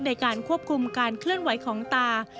ในการควบคุมการเคลื่อนไหวของตา